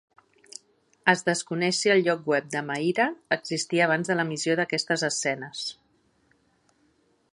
Es desconeix si el lloc web de Mahirha existia abans de l'emissió d'aquestes escenes.